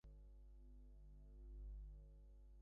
এর মধ্যে একটা আঙটি হচ্ছে নীলার।